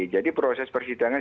jadi proses persidangan